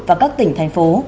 và các tỉnh thành phố